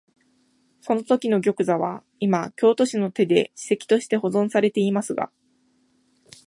そのときの玉座は、いま京都市の手で史跡として保存されていますが、